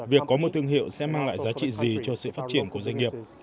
tôi nghĩ rằng việc có một thương hiệu sẽ mang lại giá trị gì cho sự phát triển của doanh nghiệp